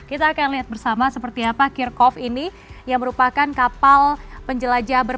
kita akan lihat bersama seperti apa kirkov ini yang merupakan kapal penjelajah